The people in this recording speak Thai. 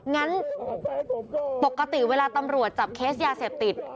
งั้นปกติเวลาตำรวจจับเคสยาเสพติด